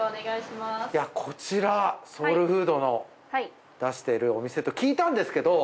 こちらソウルフードの出しているお店と聞いたんですけど。